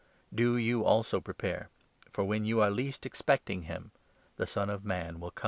Do you also prepare, 40 for when you are least expecting him the Son of Man will come."